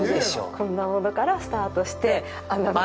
こんなものからスタートしてあんなふうに。